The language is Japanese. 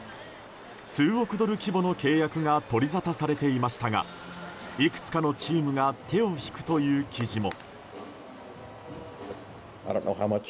数億ドル規模の契約が取りざたされていましたがいくつかのチームが手を引くという記事も。